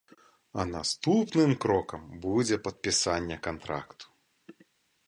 А наступным крокам будзе падпісанне кантракту.